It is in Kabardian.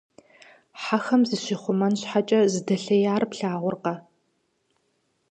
Хьэхэм зыщихъумэн щхьэкӏэ зыдэлъеяр плъагъуркъэ!